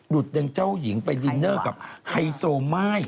ดูดเตียงเจ้าหญิงไปดินเนอร์กับไฮโซไหม้หล่อใครหวะ